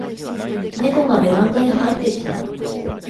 ネコがベランダに入ってきた